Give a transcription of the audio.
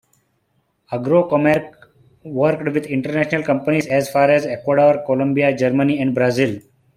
Agrokomerc worked with international companies as far away as Ecuador, Colombia, Germany and Brazil.